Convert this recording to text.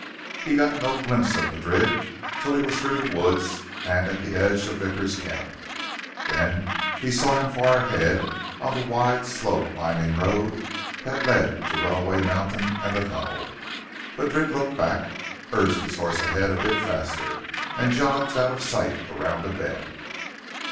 He got no glimpse of Madrid till he was through the woods and at the edge of Vickers' camp; then he saw him far ahead on the wide, slow climbing road that led to Runaway Mountain and the tunnel. Madrid looked back, urged his horse ahead a bit faster, and jogged out of sight around a bend.